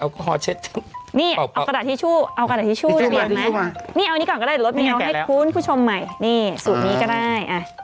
เอาคอเช็ดปอบนี่เอากระดาษทิชชู่เอากระดาษทิชชู่นี่เอานี่ก่อนก็ได้รถมีเอาให้คุณผู้ชมใหม่นี่สูตรนี้ก็ได้